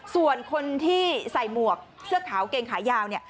ส่วนคนที่ใส่หมวกเสื้อขาวเกงขายาวเนี่ย